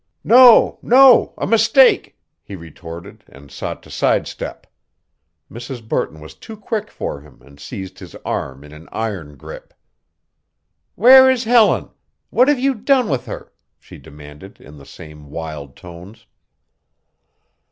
"No! no! a mistake!" he retorted and sought to sidestep. Mrs. Burton was too quick for him and seized his arm in an iron grip. "Where is Helen? What have you done with her?" she demanded in the same wild tones.